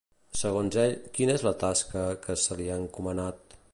Segons ell, quina és la tasca que se li ha encomanat?